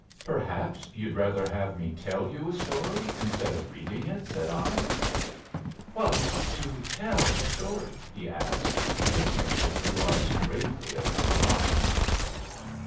"Perhaps you'd rather have me tell you a story instead of reading it," said I. "What's to tell a story?" he asked, fixing his blue eyes gravely upon mine.